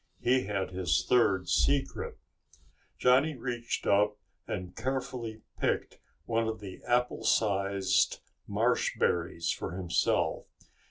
He had his third secret. Johnny reached up and carefully picked one of the apple sized marshberries for himself.